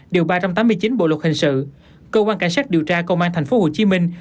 điều ba trăm tám mươi chín bộ luật hình sự cơ quan cảnh sát điều tra công an thành phố hồ chí minh